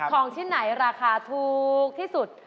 ของชิ้นไหนราคาถูกที่สุด